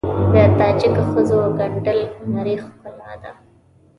د تاجکو ښځو ګنډل هنري ښکلا ده.